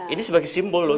ini sebagai simbol loh